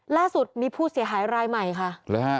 ล่าสุดมีผู้เสียหายรายใหม่ค่ะ